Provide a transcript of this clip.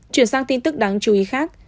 chuyển sang tin tức đáng chú ý khác